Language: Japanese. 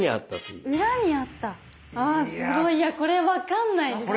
いやこれ分かんないです。